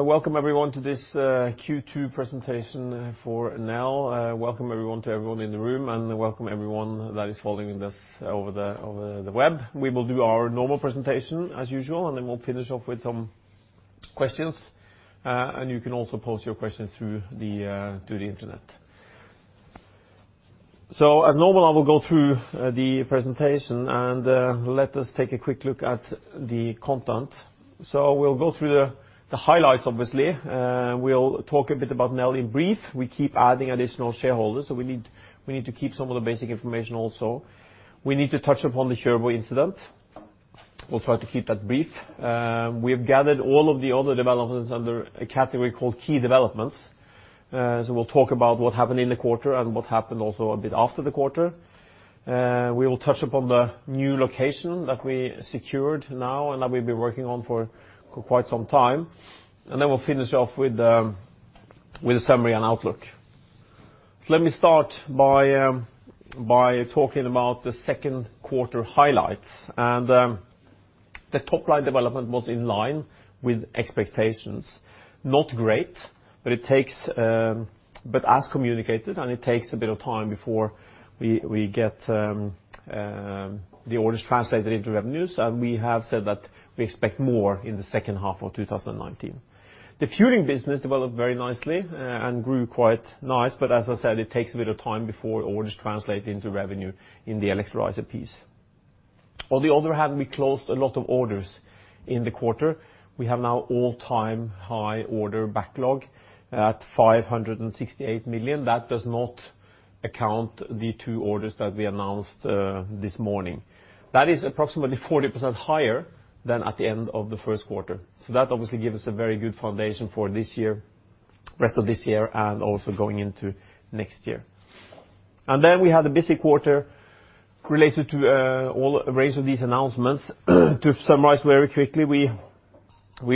Welcome, everyone, to this Q2 presentation for Nel. Welcome, everyone, to everyone in the room, welcome everyone that is following this over the web. We will do our normal presentation as usual, we'll finish off with some questions, you can also pose your questions through the internet. As normal, I will go through the presentation, let us take a quick look at the content. We'll go through the highlights, obviously. We'll talk a bit about Nel in brief. We keep adding additional shareholders, we need to keep some of the basic information also. We need to touch upon the Kjørbo incident. We'll try to keep that brief. We have gathered all of the other developments under a category called key developments. We'll talk about what happened in the quarter, what happened also a bit after the quarter. We will touch upon the new location that we secured now and that we've been working on for quite some time. Then we'll finish off with a summary and outlook. Let me start by talking about the second quarter highlights. The top-line development was in line with expectations. Not great, but as communicated, and it takes a bit of time before we get the orders translated into revenues. We have said that we expect more in the second half of 2019. The fueling business developed very nicely and grew quite nice, but as I said, it takes a bit of time before orders translate into revenue in the electrolyzer piece. On the other hand, we closed a lot of orders in the quarter. We have now all-time high order backlog at 568 million. That does not account the two orders that we announced this morning. That is approximately 40% higher than at the end of the first quarter. That obviously give us a very good foundation for rest of this year and also going into next year. We had a busy quarter related to all range of these announcements. To summarize very quickly, we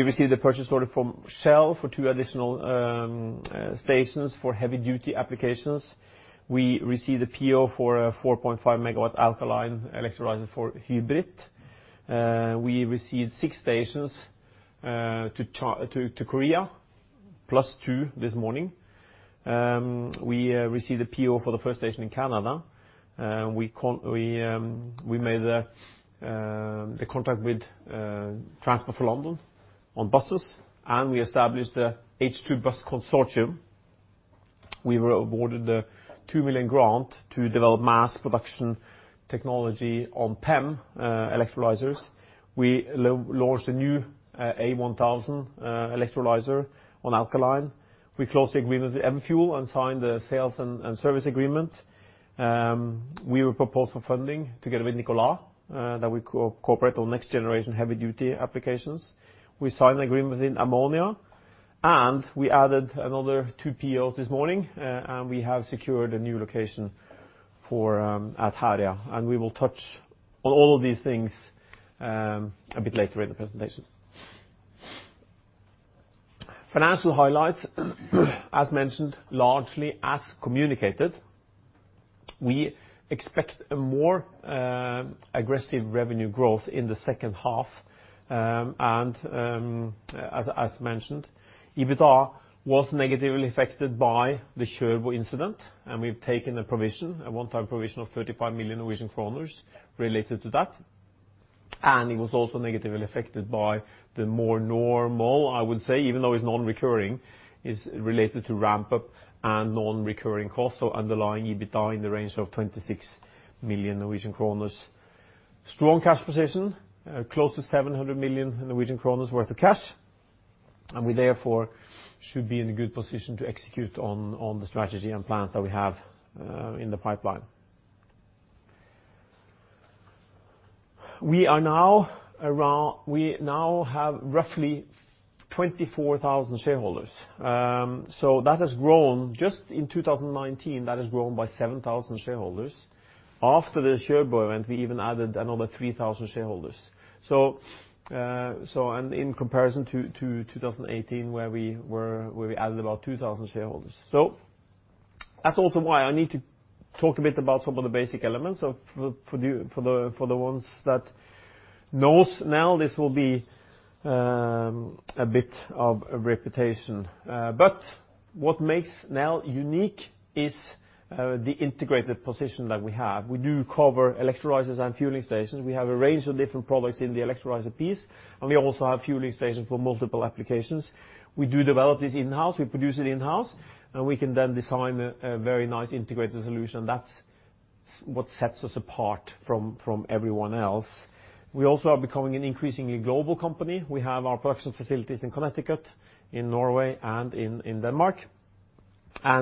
received a purchase order from Shell for two additional stations for heavy-duty applications. We received a PO for a 4.5-megawatt alkaline electrolyzer for Hybrit. We received six stations to Korea, plus two this morning. We received a PO for the first station in Canada. We made the contract with Transport for London on buses, and we established the H2 Bus Consortium. We were awarded a 2 million grant to develop mass production technology on PEM electrolyzers. We launched a new A1000 electrolyzer on alkaline. We closed the agreement with Everfuel and signed the sales and service agreement. We were proposed for funding together with Nikola that we cooperate on next generation heavy-duty applications. We signed an agreement in ammonia, we added another two POs this morning, we have secured a new location at Herøya, and we will touch on all of these things a bit later in the presentation. Financial highlights, as mentioned, largely as communicated. We expect a more aggressive revenue growth in the second half. As mentioned, EBITDA was negatively affected by the Kjørbo incident, and we've taken a provision, a one-time provision of 35 million Norwegian kroner related to that. It was also negatively affected by the more normal, I would say, even though it's non-recurring, is related to ramp-up and non-recurring costs, so underlying EBITDA in the range of 26 million Norwegian kroner. Strong cash position, close to 700 million Norwegian kroner worth of cash. We, therefore, should be in a good position to execute on the strategy and plans that we have in the pipeline. We now have roughly 24,000 shareholders. That has grown, just in 2019, that has grown by 7,000 shareholders. After the Kjørbo event, we even added another 3,000 shareholders. In comparison to 2018, where we added about 2,000 shareholders. That's also why I need to talk a bit about some of the basic elements. For the ones that knows Nel, this will be a bit of a repetition. What makes Nel unique is the integrated position that we have. We do cover electrolyzers and fueling stations. We have a range of different products in the electrolyzer piece, and we also have fueling stations for multiple applications. We do develop these in-house, we produce it in-house, we can then design a very nice integrated solution that's what sets us apart from everyone else. We also are becoming an increasingly global company. We have our production facilities in Connecticut, in Norway, and in Denmark.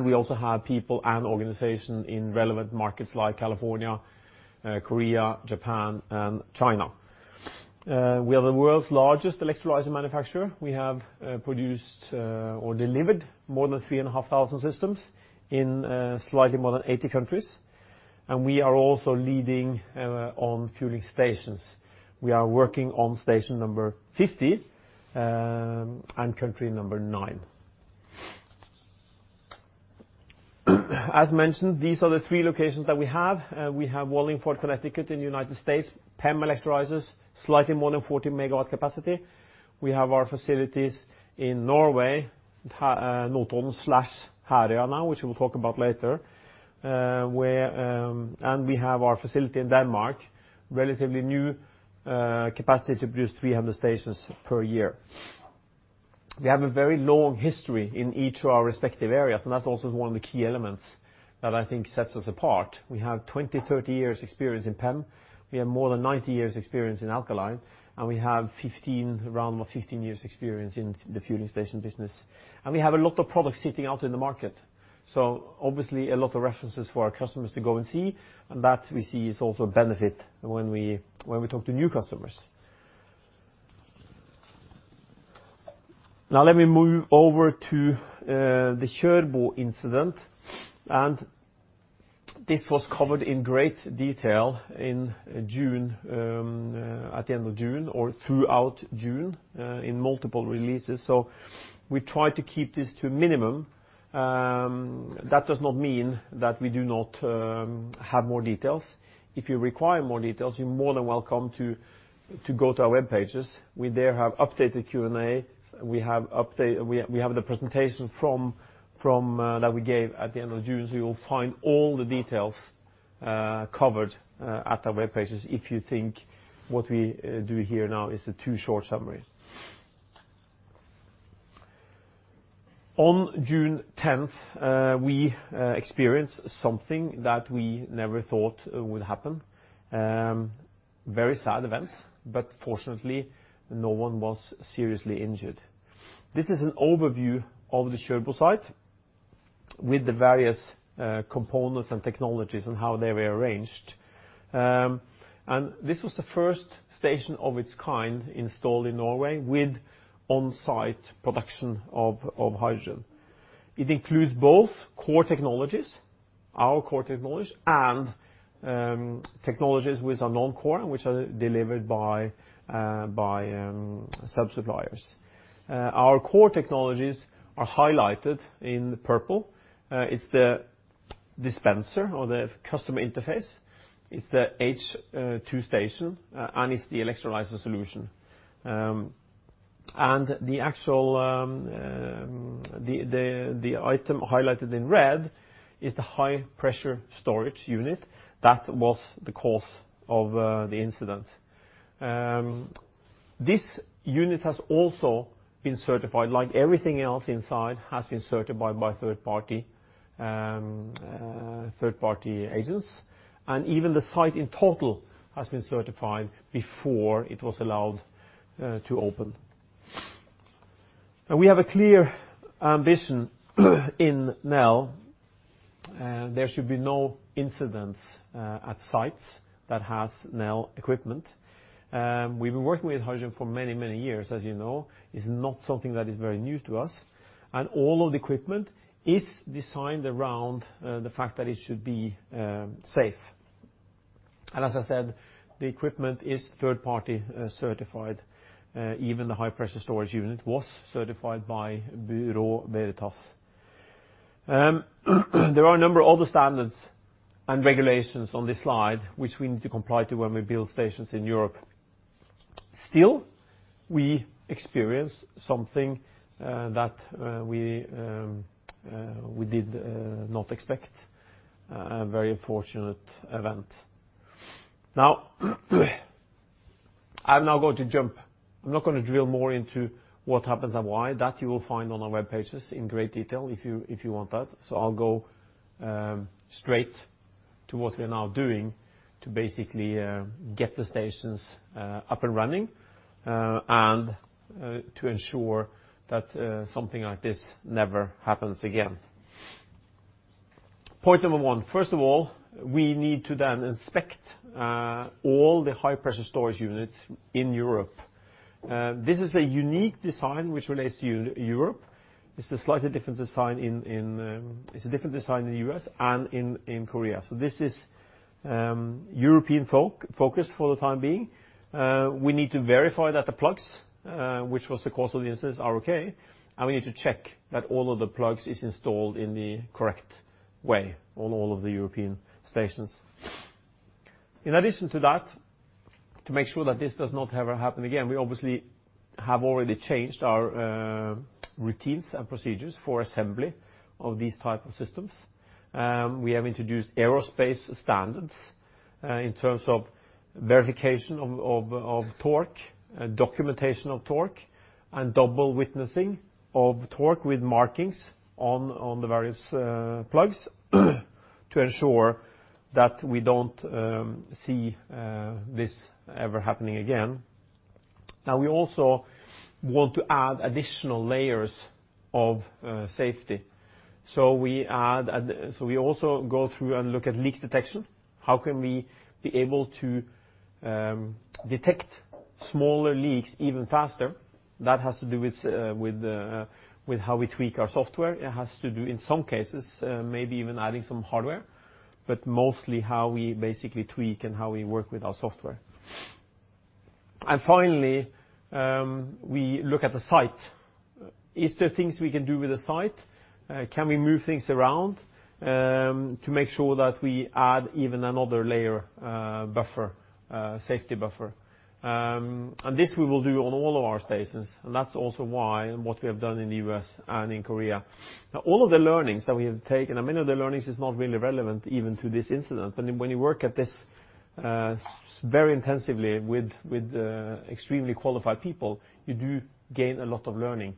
We also have people and organization in relevant markets like California, Korea, Japan, and China. We are the world's largest electrolyzer manufacturer. We have produced or delivered more than 3,500 systems in slightly more than 80 countries. We are also leading on fueling stations. We are working on station number 50, and country number nine. As mentioned, these are the three locations that we have. We have Wallingford, Connecticut in the U.S., PEM electrolyzers, slightly more than 40 megawatt capacity. We have our facilities in Norway, Notodden/Herøya now, which we'll talk about later. We have our facility in Denmark, relatively new capacity to produce 300 stations per year. We have a very long history in each of our respective areas, and that's also one of the key elements that I think sets us apart. We have 20, 30 years experience in PEM. We have more than 90 years experience in alkaline, and we have around 15 years experience in the fueling station business. We have a lot of products sitting out in the market, so obviously a lot of references for our customers to go and see, and that we see is also a benefit when we talk to new customers. Now let me move over to the Kjørbo incident, and this was covered in great detail at the end of June or throughout June, in multiple releases. We try to keep this to a minimum. That does not mean that we do not have more details. If you require more details, you're more than welcome to go to our webpages. We there have updated Q&A. We have the presentation that we gave at the end of June, you will find all the details covered at our webpages if you think what we do here now is a too short summary. On June 10th, we experienced something that we never thought would happen. Very sad event, fortunately no one was seriously injured. This is an overview of the Kjørbo site with the various components and technologies and how they were arranged. This was the first station of its kind installed in Norway with onsite production of hydrogen. It includes both core technologies, our core technologies, and technologies which are non-core, which are delivered by sub-suppliers. Our core technologies are highlighted in purple. It's the dispenser or the customer interface. It's the H2Station. It's the electrolyzer solution. The item highlighted in red is the high-pressure storage unit. That was the cause of the incident. This unit has also been certified, like everything else inside has been certified by third-party agents. Even the site in total has been certified before it was allowed to open. Now we have a clear ambition in Nel. There should be no incidents at sites that has Nel equipment. We've been working with hydrogen for many, many years, as you know. It's not something that is very new to us. All of the equipment is designed around the fact that it should be safe. As I said, the equipment is third-party certified. Even the high-pressure storage unit was certified by Bureau Veritas. There are a number of other standards and regulations on this slide which we need to comply to when we build stations in Europe. We experience something that we did not expect, a very unfortunate event. I'm not going to drill more into what happens and why. That you will find on our webpages in great detail if you want that. I'll go straight to what we are now doing to basically get the stations up and running, and to ensure that something like this never happens again. Point number 1, first of all, we need to inspect all the high-pressure storage units in Europe. This is a unique design which relates to Europe. It's a different design in the U.S. and in Korea. This is European-focused for the time being. We need to verify that the plugs, which was the cause of the incident, are okay, and we need to check that all of the plugs is installed in the correct way on all of the European stations. In addition to that, to make sure that this does not ever happen again, we obviously have already changed our routines and procedures for assembly of these type of systems. We have introduced aerospace standards, in terms of verification of torque, documentation of torque, and double witnessing of torque with markings on the various plugs to ensure that we don't see this ever happening again. Now we also want to add additional layers of safety. We also go through and look at leak detection. How can we be able to detect smaller leaks even faster? That has to do with how we tweak our software. It has to do, in some cases, maybe even adding some hardware, but mostly how we basically tweak and how we work with our software. Finally, we look at the site. Is there things we can do with the site? Can we move things around to make sure that we add even another layer safety buffer? This we will do on all of our stations, and that's also what we have done in the U.S. and in Korea. Now, all of the learnings that we have taken, and many of the learnings is not really relevant even to this incident. When you work at this very intensively with extremely qualified people, you do gain a lot of learning.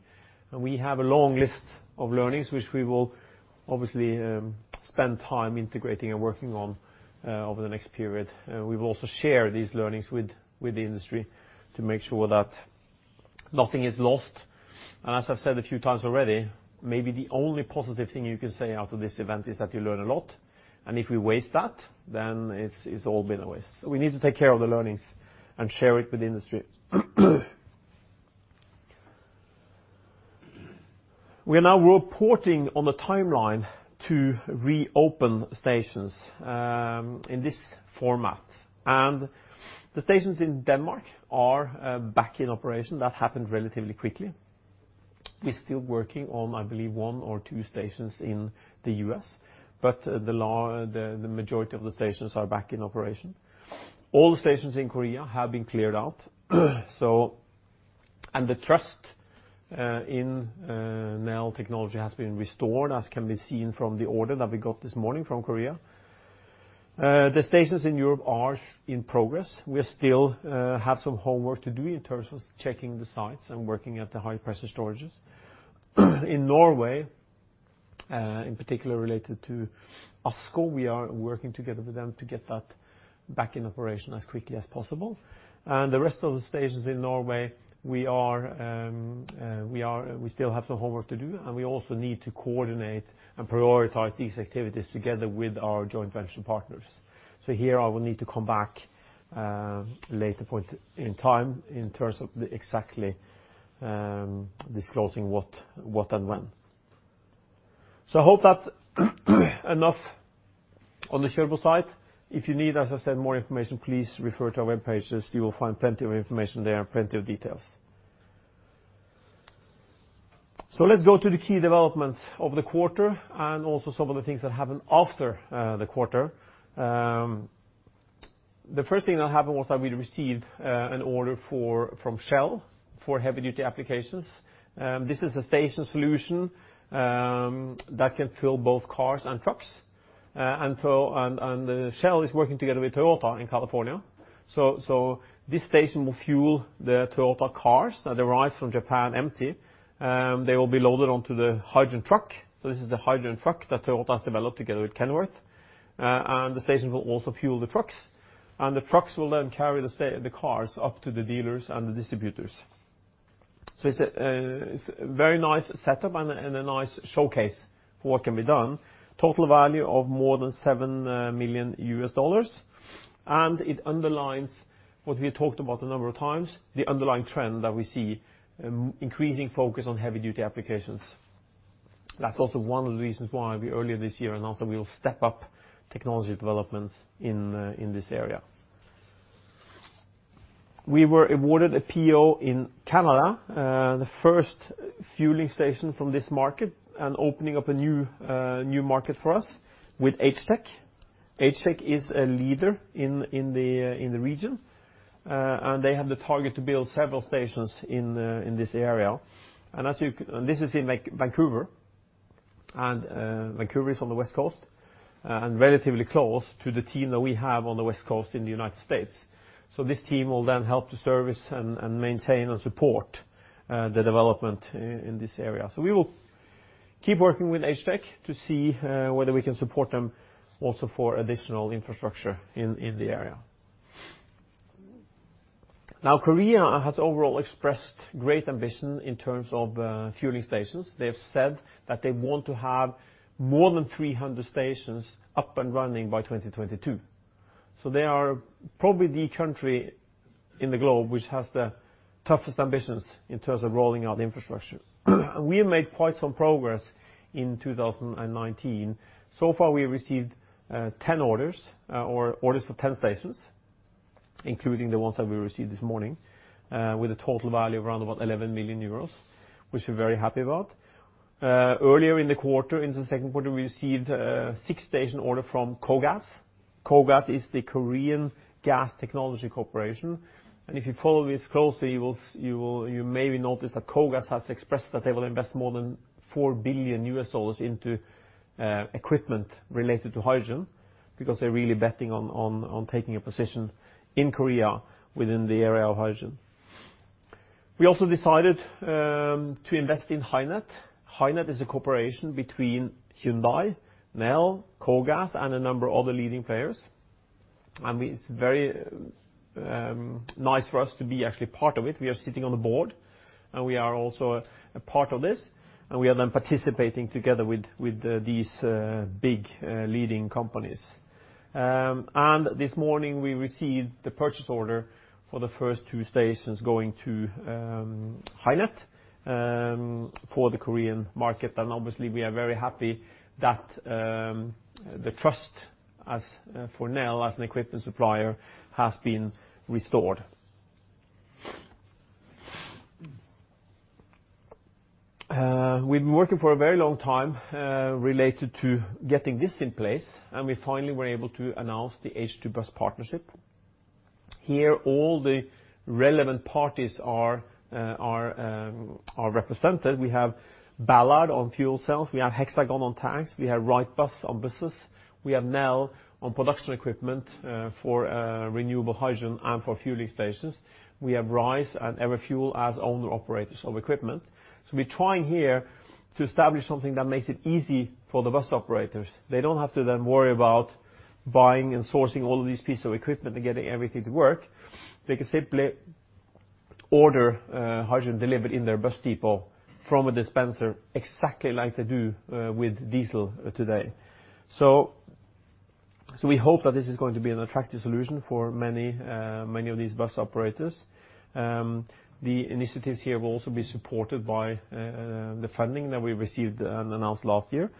We have a long list of learnings, which we will obviously spend time integrating and working on over the next period. We will also share these learnings with the industry to make sure that nothing is lost. As I've said a few times already, maybe the only positive thing you can say out of this event is that you learn a lot, and if we waste that, then it's all been a waste. We need to take care of the learnings and share it with the industry. We are now reporting on the timeline to reopen stations in this format, and the stations in Denmark are back in operation. That happened relatively quickly. We're still working on, I believe, one or two stations in the U.S., but the majority of the stations are back in operation. All the stations in Korea have been cleared out, and the trust in Nel technology has been restored, as can be seen from the order that we got this morning from Korea. The stations in Europe are in progress. We still have some homework to do in terms of checking the sites and working at the high pressure storages. In Norway, in particular related to ASKO, we are working together with them to get that back in operation as quickly as possible. The rest of the stations in Norway, we still have some homework to do, and we also need to coordinate and prioritize these activities together with our joint venture partners. Here I will need to come back at a later point in time in terms of exactly disclosing what and when. I hope that's enough on the Kjørbo side. If you need, as I said, more information, please refer to our web pages. You will find plenty of information there and plenty of details. Let's go to the key developments of the quarter and also some of the things that happened after the quarter. The first thing that happened was that we received an order from Shell for heavy-duty applications. This is a station solution that can fuel both cars and trucks. Shell is working together with Toyota in California. This station will fuel the Toyota cars that arrive from Japan empty. They will be loaded onto the hydrogen truck. This is a hydrogen truck that Toyota has developed together with Kenworth. The station will also fuel the trucks, and the trucks will then carry the cars up to the dealers and the distributors. It's a very nice setup and a nice showcase for what can be done. Total value of more than $7 million, it underlines what we talked about a number of times, the underlying trend that we see, increasing focus on heavy-duty applications. That's also one of the reasons why we earlier this year announced that we will step up technology developments in this area. We were awarded a PO in Canada, the first fueling station from this market and opening up a new market for us with HTEC. HTEC is a leader in the region, and they have the target to build several stations in this area. This is in Vancouver, and Vancouver is on the West Coast and relatively close to the team that we have on the West Coast in the U.S. This team will then help to service and maintain and support the development in this area. We will keep working with HTEC to see whether we can support them also for additional infrastructure in the area. Korea has overall expressed great ambition in terms of fueling stations. They have said that they want to have more than 300 stations up and running by 2022. They are probably the country in the globe which has the toughest ambitions in terms of rolling out infrastructure. We have made quite some progress in 2019. So far, we have received 10 orders, or orders for 10 stations, including the ones that we received this morning, with a total value of around about 11 million euros, which we're very happy about. Earlier in the second quarter, we received a six-station order from KOGAS. KOGAS is the Korean Gas Technology Corporation. If you follow this closely, you will maybe notice that KOGAS has expressed that they will invest more than $4 billion into equipment related to hydrogen, because they're really betting on taking a position in Korea within the area of hydrogen. We also decided to invest in HyNet. HyNet is a cooperation between Hyundai, Nel, KOGAS, and a number of other leading players, and it's very nice for us to be actually part of it. We are sitting on the board and we are also a part of this, and we are then participating together with these big leading companies. This morning, we received the purchase order for the first two stations going to HyNet for the Korean market. Obviously, we are very happy that the trust as for Nel, as an equipment supplier, has been restored. We've been working for a very long time related to getting this in place, and we finally were able to announce the H2Bus Consortium. Here, all the relevant parties are represented. We have Ballard on fuel cells, we have Hexagon on tanks, we have Wrightbus on buses, we have Nel on production equipment for renewable hydrogen and for fueling stations, we have Ryze and Everfuel as owner-operators of equipment. We're trying here to establish something that makes it easy for the bus operators. They don't have to then worry about buying and sourcing all of these pieces of equipment and getting everything to work. They can simply order hydrogen delivered in their bus depot from a dispenser, exactly like they do with diesel today. We hope that this is going to be an attractive solution for many of these bus operators. The initiatives here will also be supported by the funding that we received and announced last year.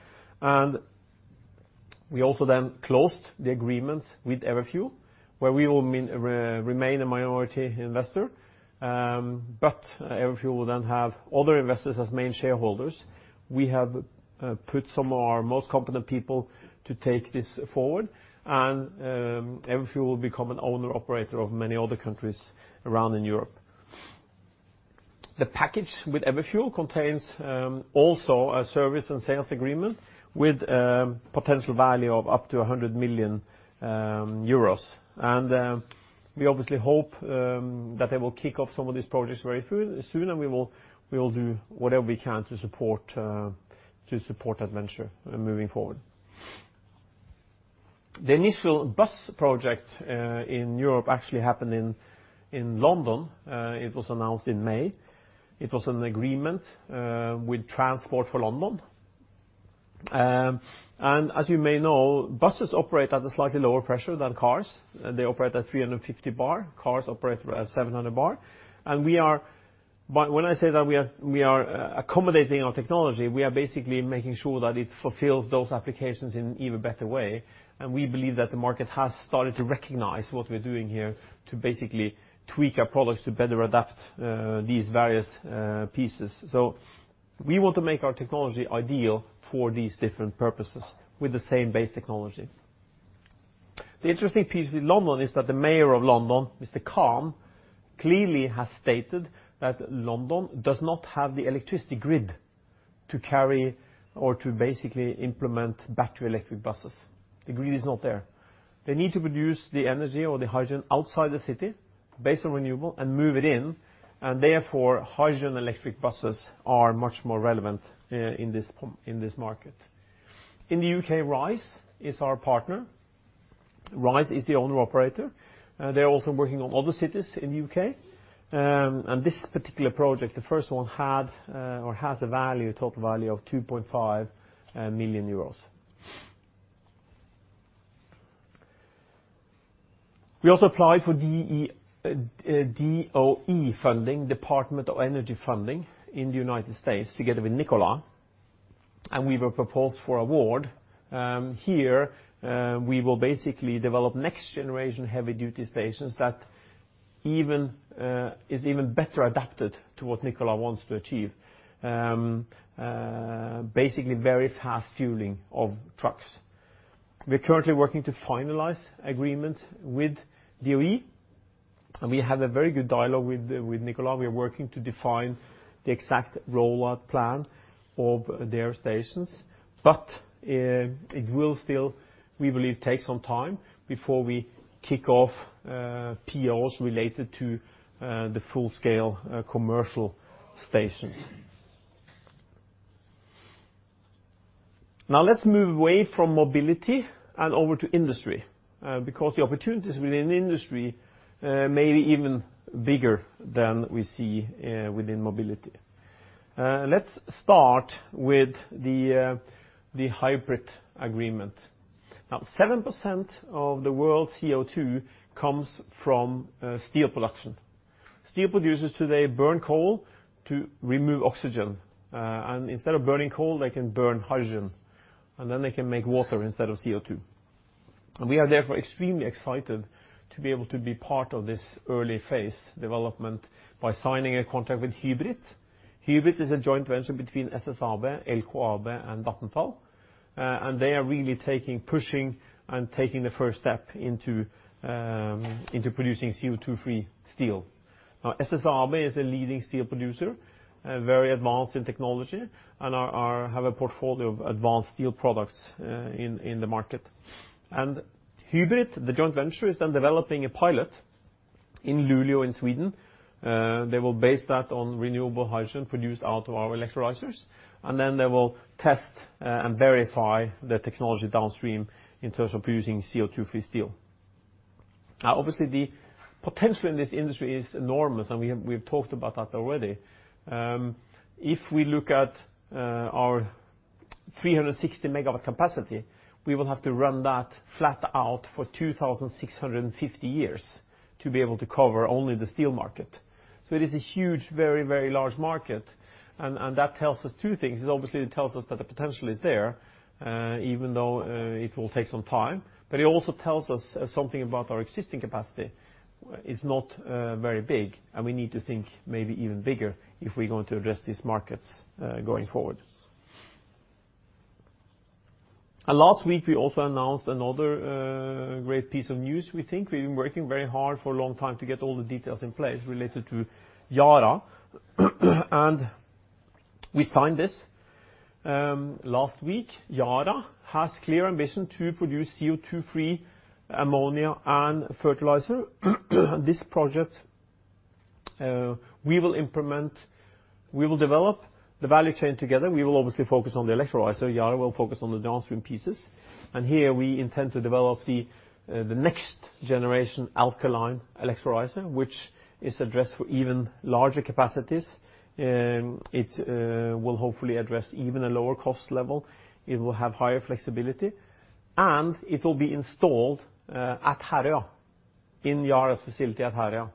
We also then closed the agreements with Everfuel, where we will remain a minority investor. Everfuel will then have other investors as main shareholders. We have put some of our most competent people to take this forward, and Everfuel will become an owner-operator of many other countries around in Europe. The package with Everfuel contains also a service and sales agreement with potential value of up to 100 million euros. We obviously hope that they will kick off some of these projects very soon, and we will do whatever we can to support that venture moving forward. The initial bus project in Europe actually happened in London. It was announced in May. It was an agreement with Transport for London. As you may know, buses operate at a slightly lower pressure than cars. They operate at 350 bar. Cars operate at 700 bar. When I say that we are accommodating our technology, we are basically making sure that it fulfills those applications in an even better way. We believe that the market has started to recognize what we're doing here to basically tweak our products to better adapt these various pieces. We want to make our technology ideal for these different purposes with the same base technology. The interesting piece with London is that the mayor of London, Mr. Khan, clearly has stated that London does not have the electricity grid to carry or to basically implement battery electric buses. The grid is not there. They need to produce the energy or the hydrogen outside the city, based on renewable, and move it in. Therefore, hydrogen electric buses are much more relevant in this market. In the U.K., Ryze is our partner. Ryze is the owner-operator. They are also working on other cities in the U.K. This particular project, the first one, has a total value of 2.5 million euros. We also applied for DOE funding, Department of Energy funding, in the United States, together with Nikola, and we were proposed for award. Here, we will basically develop next-generation heavy-duty stations that is even better adapted to what Nikola wants to achieve. Basically, very fast fueling of trucks. We are currently working to finalize agreement with DOE, and we have a very good dialogue with Nikola. We are working to define the exact rollout plan of their stations. It will still, we believe, take some time before we kick off POs related to the full-scale commercial stations. Now let's move away from mobility and over to industry, because the opportunities within industry may be even bigger than we see within mobility. Let's start with the Hybrit agreement. Now, 7% of the world's CO2 comes from steel production. Steel producers today burn coal to remove oxygen. Instead of burning coal, they can burn hydrogen, and then they can make water instead of CO2. We are therefore extremely excited to be able to be part of this early phase development by signing a contract with Hybrit. Hybrit is a joint venture between SSAB, LKAB, and Vattenfall, and they are really pushing and taking the first step into producing CO2-free steel. Now, SSAB is a leading steel producer, very advanced in technology, and have a portfolio of advanced steel products in the market. Hybrit, the joint venture, is then developing a pilot in Luleå in Sweden. They will base that on renewable hydrogen produced out of our electrolyzers, and then they will test and verify the technology downstream in terms of producing CO2-free steel. Obviously, the potential in this industry is enormous, and we have talked about that already. If we look at our 360 MW capacity, we will have to run that flat out for 2,650 years to be able to cover only the steel market. It is a huge, very large market, and that tells us two things. It tells us that the potential is there, even though it will take some time, but it also tells us something about our existing capacity. It's not very big, and we need to think maybe even bigger if we're going to address these markets going forward. Last week, we also announced another great piece of news we think. We've been working very hard for a long time to get all the details in place related to Yara. We signed this last week. Yara has clear ambition to produce CO2-free ammonia and fertilizer. This project, we will implement, we will develop the value chain together. We will obviously focus on the electrolyzer. Yara will focus on the downstream pieces. Here we intend to develop the next generation alkaline electrolyzer, which is addressed for even larger capacities. It will hopefully address even a lower cost level, it will have higher flexibility, and it will be installed at Herøya, in Yara's facility at Herøya.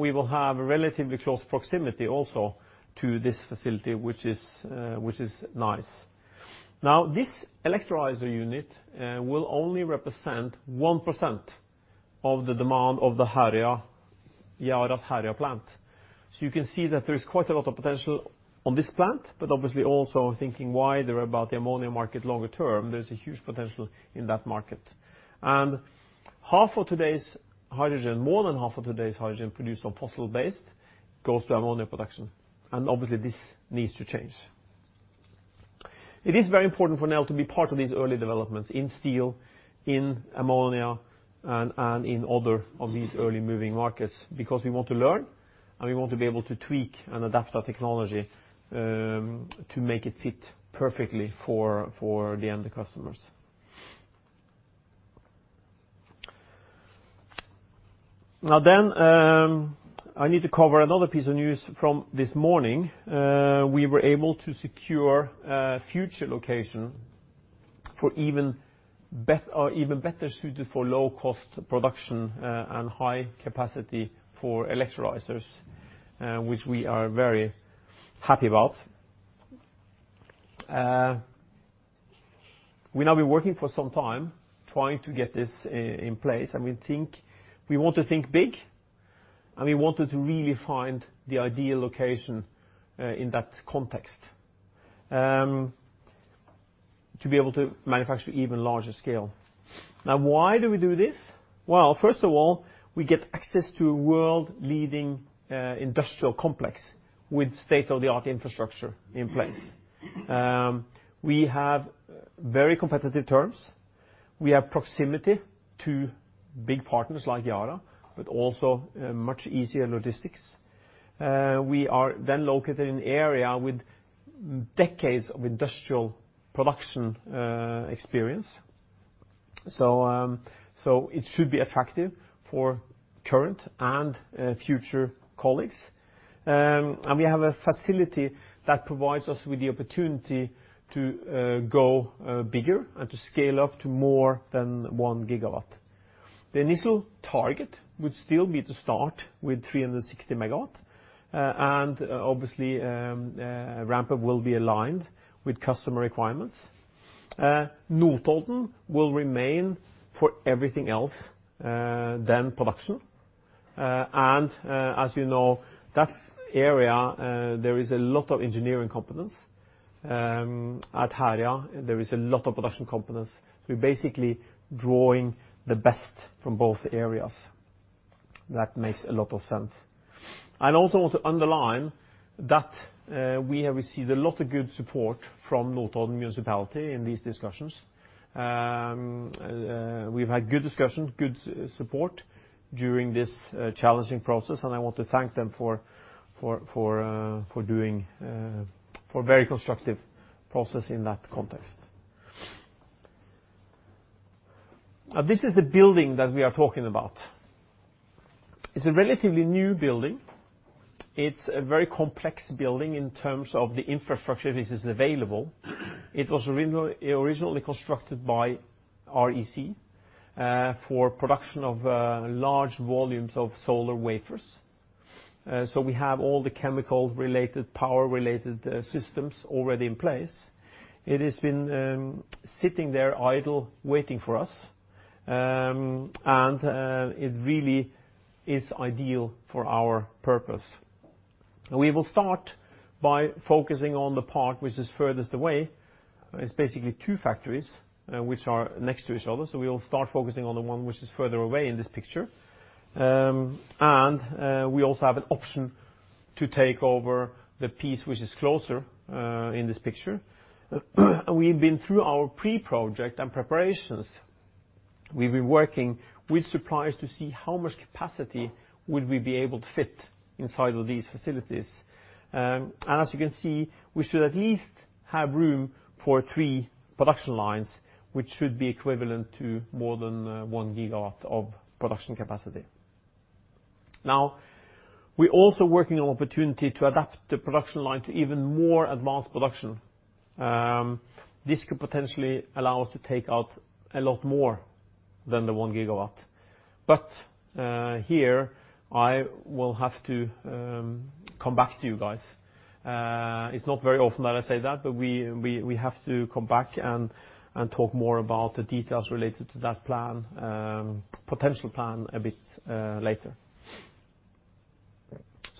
We will have a relatively close proximity also to this facility, which is nice. Now, this electrolyzer unit will only represent 1% of the demand of the Yara's Herøya plant. You can see that there's quite a lot of potential on this plant, but obviously also thinking wider about the ammonia market longer term, there's a huge potential in that market. More than half of today's hydrogen produced on fossil-based goes to ammonia production, and obviously this needs to change. It is very important for Nel to be part of these early developments in steel, in ammonia, and in other of these early moving markets because we want to learn and we want to be able to tweak and adapt our technology to make it fit perfectly for the end customers. I need to cover another piece of news from this morning. We were able to secure a future location even better suited for low cost production and high capacity for electrolyzers, which we are very happy about. We now have been working for some time trying to get this in place, and we want to think big, and we wanted to really find the ideal location in that context, to be able to manufacture even larger scale. Why do we do this? First of all, we get access to a world-leading industrial complex with state-of-the-art infrastructure in place. We have very competitive terms. We have proximity to big partners like Yara, but also much easier logistics. We are then located in an area with decades of industrial production experience, so it should be attractive for current and future colleagues. We have a facility that provides us with the opportunity to go bigger and to scale up to more than 1 GW. The initial target would still be to start with 360 MW, and obviously, ramp up will be aligned with customer requirements. Notodden will remain for everything else than production. As you know, that area, there is a lot of engineering competence. At Herøya, there is a lot of production competence. We're basically drawing the best from both areas. That makes a lot of sense. I also want to underline that we have received a lot of good support from Notodden Municipality in these discussions. We've had good discussions, good support during this challenging process, and I want to thank them for very constructive process in that context. This is the building that we are talking about. It's a relatively new building. It's a very complex building in terms of the infrastructure which is available. It was originally constructed by REC for production of large volumes of solar wafers. We have all the chemical-related, power-related systems already in place. It has been sitting there idle, waiting for us, and it really is ideal for our purpose. We will start by focusing on the part which is furthest away. It's basically two factories which are next to each other, so we will start focusing on the one which is further away in this picture. We also have an option to take over the piece which is closer in this picture. We've been through our pre-project and preparations. We've been working with suppliers to see how much capacity would we be able to fit inside of these facilities. As you can see, we should at least have room for three production lines, which should be equivalent to more than one gigawatt of production capacity. Now, we're also working on opportunity to adapt the production line to even more advanced production. This could potentially allow us to take out a lot more than the one gigawatt. Here I will have to come back to you guys. It's not very often that I say that, but we have to come back and talk more about the details related to that potential plan a bit later.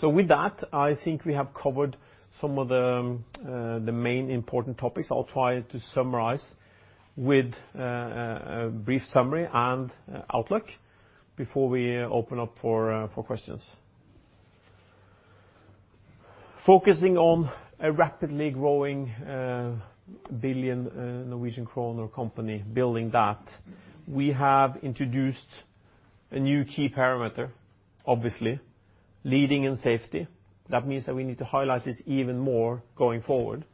With that, I think we have covered some of the main important topics. I'll try to summarize with a brief summary and outlook before we open up for questions. Focusing on a rapidly growing billion Norwegian kroner company, building that, we have introduced a new key parameter, obviously, leading in safety. That means that we need to highlight this even more going forward.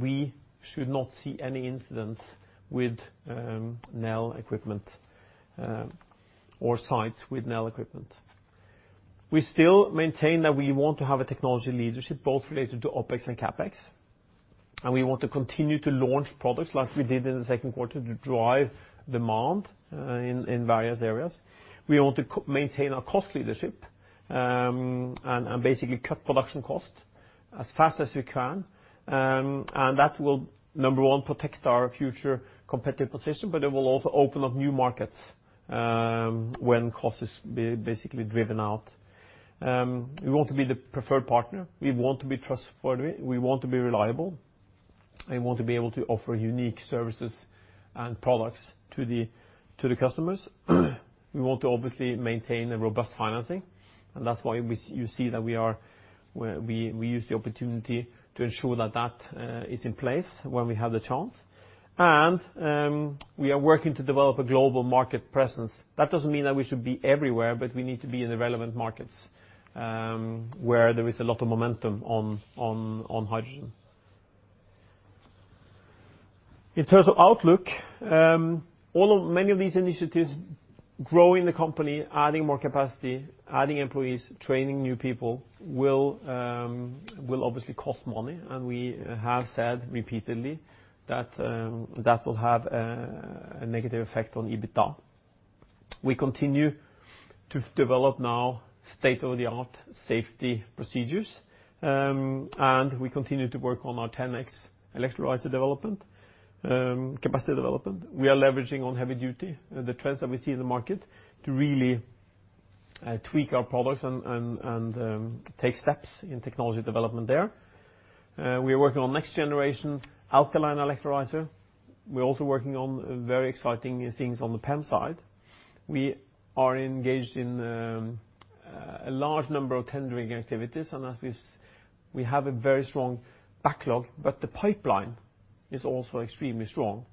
We should not see any incidents with Nel equipment, or sites with Nel equipment. We still maintain that we want to have a technology leadership, both related to OpEx and CapEx, and we want to continue to launch products like we did in the second quarter to drive demand in various areas. We want to maintain our cost leadership, and basically cut production cost as fast as we can. That will, number one, protect our future competitive position, but it will also open up new markets when cost is basically driven out. We want to be the preferred partner. We want to be trustworthy. We want to be reliable, and want to be able to offer unique services and products to the customers. We want to obviously maintain a robust financing, and that's why you see that we use the opportunity to ensure that that is in place when we have the chance. We are working to develop a global market presence. That doesn't mean that we should be everywhere, but we need to be in the relevant markets, where there is a lot of momentum on hydrogen. In terms of outlook, many of these initiatives, growing the company, adding more capacity, adding employees, training new people, will obviously cost money, and we have said repeatedly that will have a negative effect on EBITDA. We continue to develop now state-of-the-art safety procedures, and we continue to work on our 10X electrolyzer capacity development. We are leveraging on heavy duty, the trends that we see in the market to really tweak our products and take steps in technology development there. We are working on next generation alkaline electrolyzer. We're also working on very exciting new things on the PEM side. We are engaged in a large number of tendering activities. We have a very strong backlog. The pipeline is also extremely strong.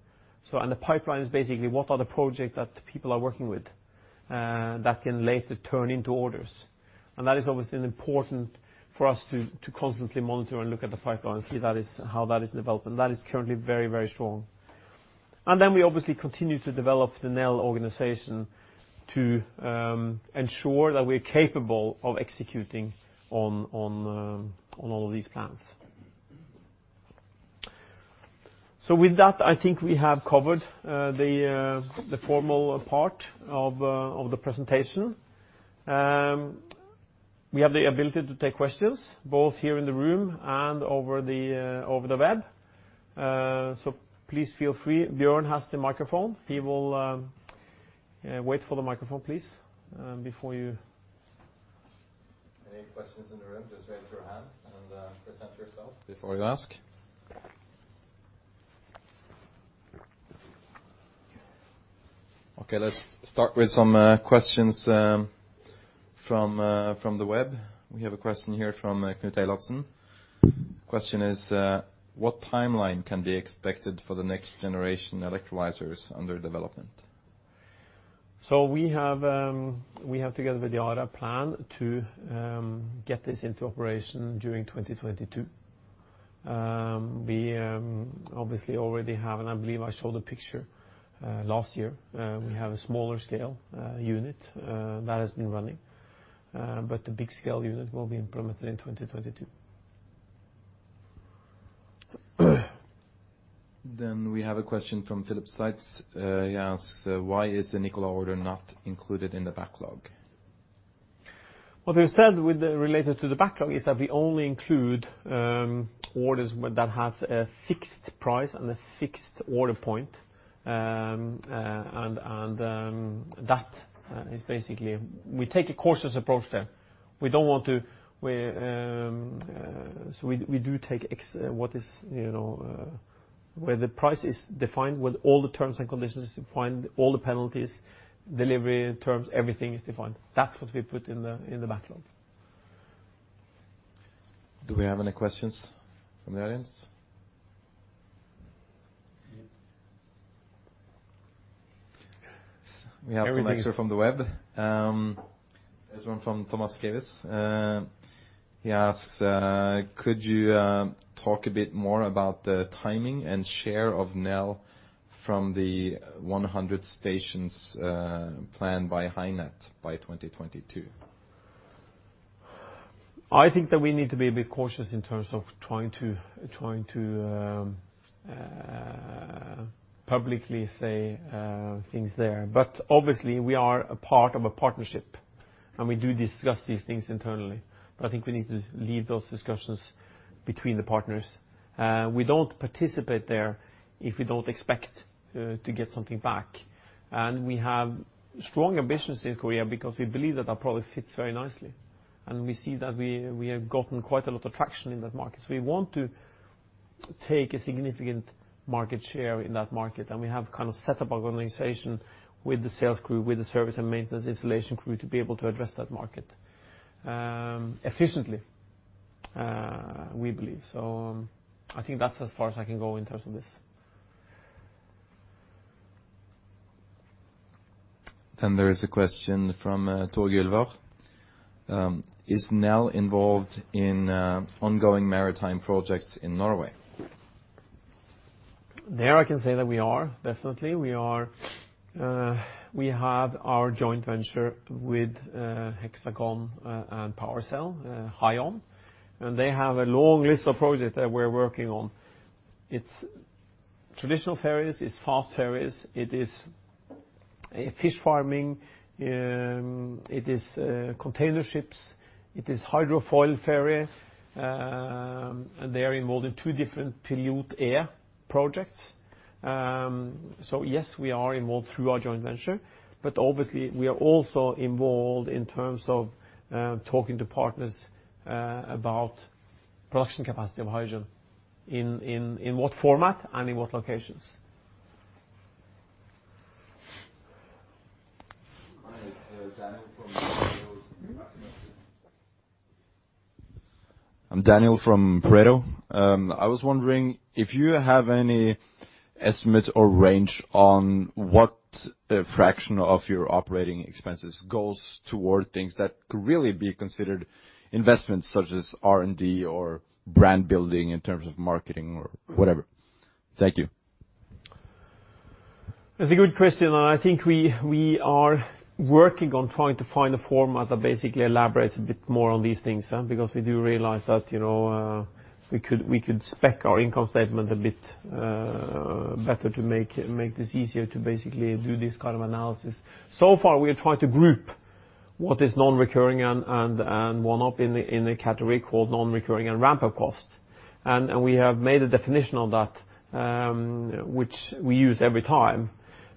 The pipeline is basically what are the projects that people are working with, that can later turn into orders. That is obviously an important for us to constantly monitor and look at the pipeline and see how that is developing. That is currently very strong. We obviously continue to develop the Nel organization to ensure that we're capable of executing on all of these plans. With that, I think we have covered the formal part of the presentation. We have the ability to take questions both here in the room and over the web. Please feel free. Bjørn has the microphone. Wait for the microphone, please, before you Any questions in the room, just raise your hand and introduce yourself before you ask. Okay. Let's start with some questions from the web. We have a question here from [Knut Lotzen]. Question is, "What timeline can be expected for the next generation electrolyzers under development? We have, together with Yara, a plan to get this into operation during 2022. We obviously already have, and I believe I showed a picture last year, we have a smaller scale unit that has been running. The big scale unit will be implemented in 2022. We have a question from [Philip Sites]. He asks, "Why is the Nikola order not included in the backlog? What we said with related to the backlog is that we only include orders that has a fixed price and a fixed order point. That is basically, we take a cautious approach there. We do take where the price is defined with all the terms and conditions defined, all the penalties, delivery terms, everything is defined. That's what we put in the backlog. Do we have any questions from the audience? We have some extra from the web. There's one from [Thomas Kevis]. He asks, could you talk a bit more about the timing and share of Nel from the 100 stations planned by HyNet by 2022? I think that we need to be a bit cautious in terms of trying to publicly say things there. Obviously, we are a part of a partnership, we do discuss these things internally, I think we need to leave those discussions between the partners. We don't participate there if we don't expect to get something back. We have strong ambitions in Korea because we believe that our product fits very nicely. We see that we have gotten quite a lot of traction in that market. We want to take a significant market share in that market, we have set up our organization with the sales crew, with the service and maintenance installation crew to be able to address that market efficiently, we believe so. I think that's as far as I can go in terms of this. There is a question from [Thor Gyulver]. Is Nel involved in ongoing maritime projects in Norway? There I can say that we are, definitely. We have our joint venture with Hexagon and PowerCell, Hyon. They have a long list of projects that we're working on. It's traditional ferries, it's fast ferries, it is fish farming, it is container ships, it is hydrofoil ferry. They are involved in two different PILOT-E projects. Yes, we are involved through our joint venture. Obviously, we are also involved in terms of talking to partners about production capacity of hydrogen, in what format and in what locations. I'm Daniel from Pareto. I was wondering if you have any estimate or range on what a fraction of your OpEx goes toward things that could really be considered investments, such as R&D or brand building in terms of marketing or whatever? Thank you. That's a good question. I think we are working on trying to find a format that basically elaborates a bit more on these things, because we do realize that we could spec our income statement a bit better to make this easier to basically do this kind of analysis. So far, we are trying to group what is non-recurring and one-off in a category called non-recurring and ramp-up costs. We have made a definition of that, which we use every time.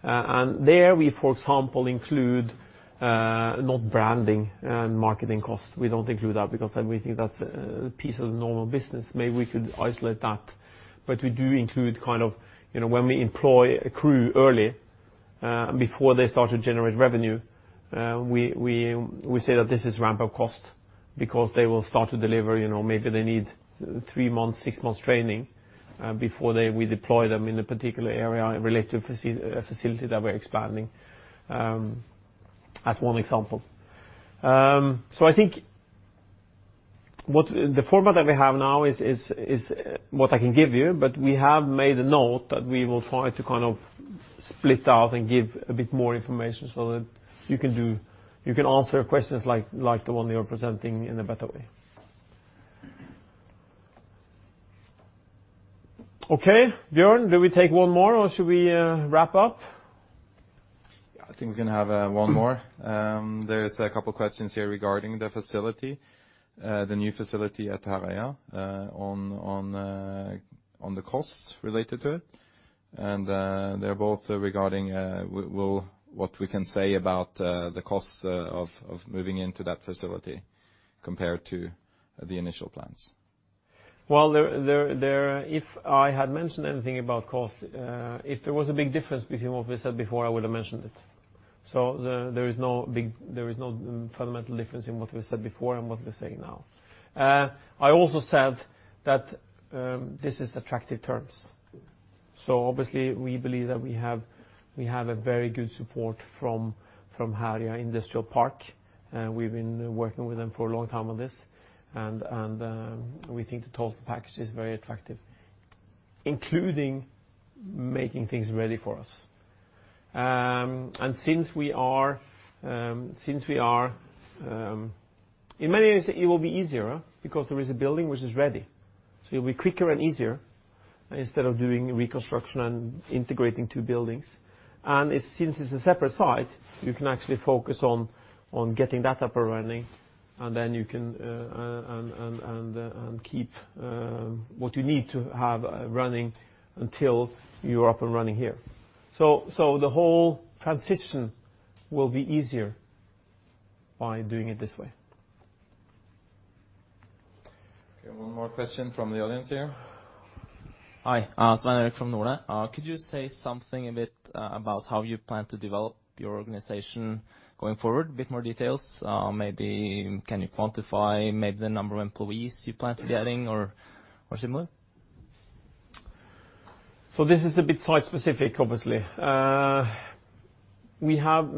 There we, for example, include not branding and marketing costs. We don't include that because then we think that's a piece of normal business. Maybe we could isolate that. We do include when we employ a crew early, before they start to generate revenue, we say that this is ramp-up cost because they will start to deliver, maybe they need three months, six months training before we deploy them in a particular area related to a facility that we're expanding. As one example. I think the format that we have now is what I can give you. We have made a note that we will try to split out and give a bit more information so that you can answer questions like the one you're presenting in a better way. Okay, Bjørn, do we take one more or should we wrap up? I think we're going to have one more. There's a couple of questions here regarding the facility, the new facility at Herøya on the costs related to it. They're both regarding what we can say about the costs of moving into that facility compared to the initial plans. Well, if I had mentioned anything about cost, if there was a big difference between what we said before, I would have mentioned it. There is no fundamental difference in what we said before and what we're saying now. I also said that this is attractive terms. Obviously, we believe that we have a very good support from Herøya Industrial Park. We've been working with them for a long time on this, and we think the total package is very attractive, including making things ready for us. Since in many ways, it will be easier because there is a building which is ready. It will be quicker and easier instead of doing reconstruction and integrating two buildings. Since it's a separate site, you can actually focus on getting that up or running, and then you can keep what you need to have running until you're up and running here. The whole transition will be easier by doing it this way. Okay, one more question from the audience here. Hi, Svein-Erik from Norne. Could you say something a bit about how you plan to develop your organization going forward? A bit more details? Maybe can you quantify the number of employees you plan to be adding or similar? This is a bit site-specific, obviously. We have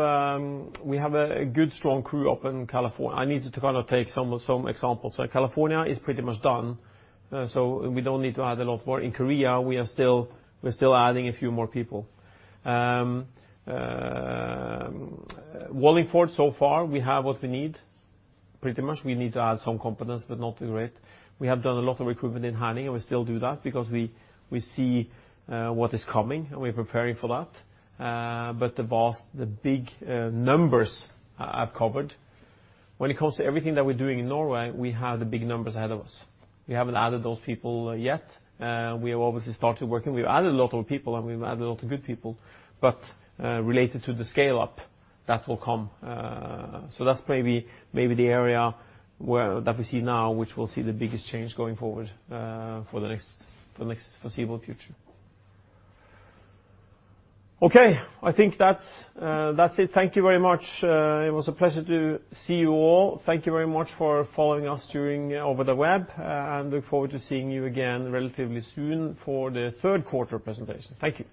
a good, strong crew up in California. I need to take some examples. California is pretty much done, so we don't need to add a lot more. In Korea, we are still adding a few more people. Wallingford, so far, we have what we need, pretty much. We need to add some components, but not great. We have done a lot of recruitment in Herning, and we still do that because we see what is coming and we're preparing for that. The big numbers I've covered. When it comes to everything that we're doing in Norway, we have the big numbers ahead of us. We haven't added those people yet. We have obviously started working. We've added a lot of people, and we've added a lot of good people. Related to the scale-up, that will come. That's maybe the area that we see now, which we'll see the biggest change going forward for the next foreseeable future. Okay, I think that's it. Thank you very much. It was a pleasure to see you all. Thank you very much for following us over the web, and look forward to seeing you again relatively soon for the third quarter presentation. Thank you.